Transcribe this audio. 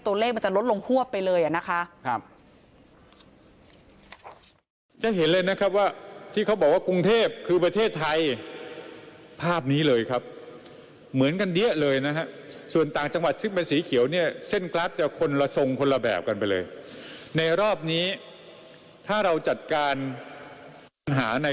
ตัวเลขมันจะลดลงฮวบไปเลยนะคะ